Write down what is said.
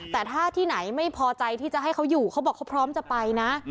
แต่ถ้าที่ไหนไม่พอใจที่จะให้เขาอยู่เขาบอกเขาพร้อมจะไปนะ